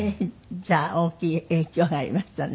じゃあ大きい影響がありましたね。